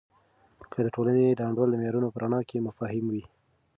که د ټولنې د انډول د معیارونو په رڼا کې مفاهیم وي.